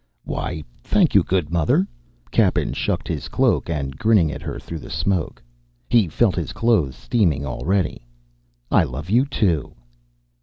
"Why, thank you, good mother." Cappen shucked his cloak and grinning at her through the smoke. He felt his clothes steaming already. "I love you too."